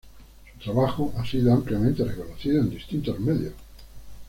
Su trabajo ha sido ampliamente reconocido en distintos medios.